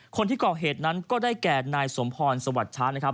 คนที่ก่อเหตุนั้นก็ได้แก่นายสมพรสวัสดิ์ช้านะครับ